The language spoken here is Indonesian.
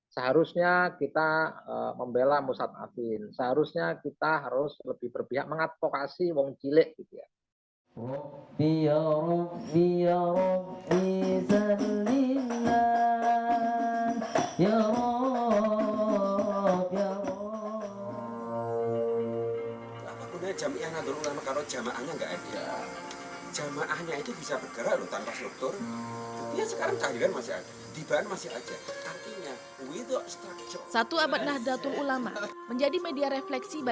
seharusnya kita membela ustadz afin seharusnya kita harus lebih berpihak mengadvokasi uang jilek